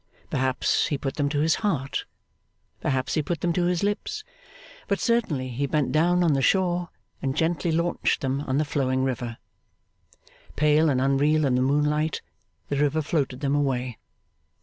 Perhaps he put them to his heart, perhaps he put them to his lips, but certainly he bent down on the shore and gently launched them on the flowing river. Pale and unreal in the moonlight, the river floated them away.